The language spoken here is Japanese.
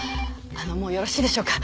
あのもうよろしいでしょうか？